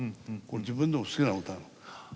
自分でも好きな歌。